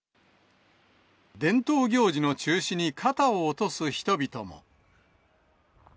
伝統行事の中止に肩を落とす人々も。